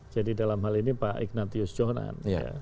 jadi dalam hal ini pak ignatius jonan